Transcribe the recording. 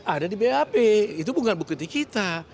ada di bap itu bukan bukti di kita